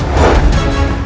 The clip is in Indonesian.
aku harus berhati hati